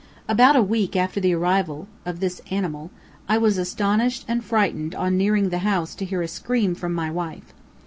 About a week after the arrival of this animal, I was astonished and frightened on nearing the house to hear a scream from my wife.